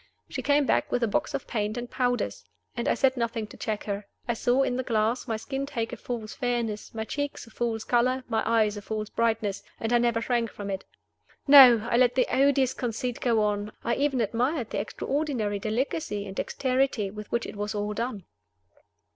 She came back with a box of paint and powders; and I said nothing to check her. I saw, in the glass, my skin take a false fairness, my cheeks a false color, my eyes a false brightness and I never shrank from it. No! I let the odious conceit go on; I even admired the extraordinary delicacy and dexterity with which it was all done.